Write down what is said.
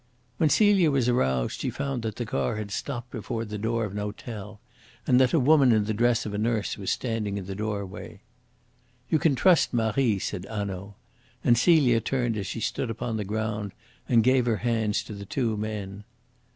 When Celia was aroused she found that the car had stopped before the door of an hotel, and that a woman in the dress of a nurse was standing in the doorway. "You can trust Marie," said Hanaud. And Celia turned as she stood upon the ground and gave her hands to the two men.